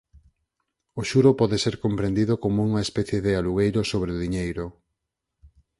O xuro pode ser comprendido como unha especie de "alugueiro sobre o diñeiro".